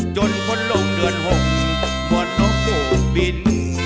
จนคนลงเดือนห่วงหมวดลบโบบิน